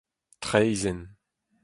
traezhenn